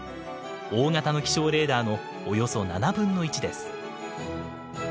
大型の気象レーダーのおよそ７分の１です。